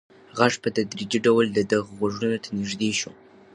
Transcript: غږ په تدریجي ډول د ده غوږونو ته نږدې شو.